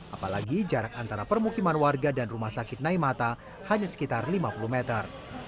apalagi jarak antara permukiman warga dan rumah sakit naimata hanya sekitar lima puluh meter